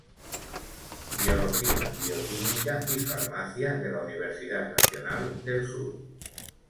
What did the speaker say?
Biología Bioquímica y Farmacia, de la Universidad Nacional del Sur.